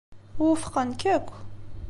Wufqen-k akk.